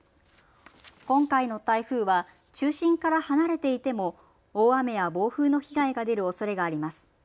今回の台風は中心から離れていても大雨や暴風の被害が出るおそれがあります。